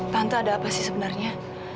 tante ada apa sih sebenarnya